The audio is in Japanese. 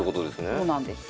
・そうなんです